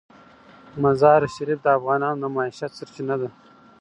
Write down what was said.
مزارشریف د افغانانو د معیشت سرچینه ده.